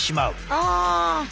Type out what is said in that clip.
ああ。